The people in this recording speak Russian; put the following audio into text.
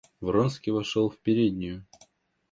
Вронский вошел в переднюю.